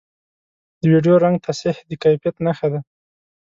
د ویډیو رنګ تصحیح د کیفیت نښه ده